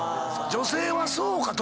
女性はそうか特に。